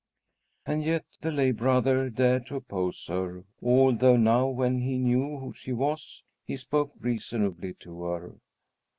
And yet the lay brother dared to oppose her, although now, when he knew who she was, he spoke reasonably to her.